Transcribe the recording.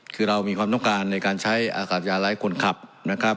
คือเรามีความต้องการในการใช้อากาศยาไร้คนขับนะครับ